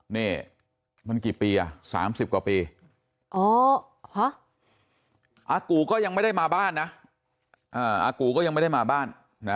นี่มันกี่ปีอ่ะ๓๐กว่าปีอ๋ออากูก็ยังไม่ได้มาบ้านนะอากูก็ยังไม่ได้มาบ้านนะ